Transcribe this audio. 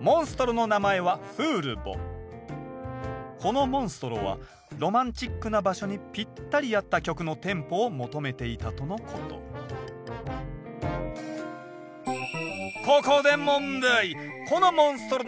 モンストロの名前はこのモンストロはロマンチックな場所にぴったり合った曲のテンポを求めていたとのことまずはＡ